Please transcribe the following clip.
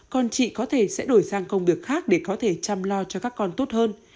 con chị có thể sẽ đổi sang công việc khác để có thể chăm lo cho các con tốt hơn